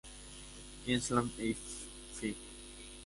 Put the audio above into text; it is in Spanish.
Queensland Fl.